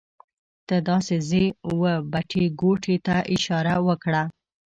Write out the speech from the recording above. ته داسې ځې وه بټې ګوتې ته یې اشاره وکړه.